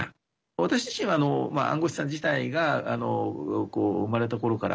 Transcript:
私自身は、暗号資産自体が生まれたころから